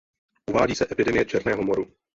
Uvádí se epidemie černého moru.